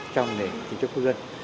trong nền kinh tế quốc dân